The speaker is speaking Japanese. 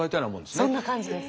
そんな感じです。